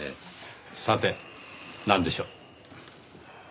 さてなんでしょう？